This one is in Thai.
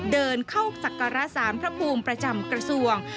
เดินเข้าศักระสารพระภูมิประจำกระทรวง